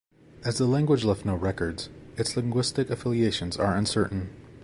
As the language left no records, its linguistic affiliations are uncertain.